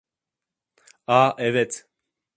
Ah evet.